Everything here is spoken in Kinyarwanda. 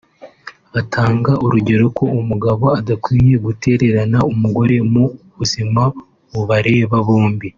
Batanga urugero ko umugabo adakwiye gutererana umugore mu buzima bubareba bombi